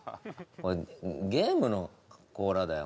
ゲームの甲羅だよ